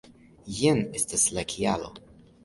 Jen estas la kialo.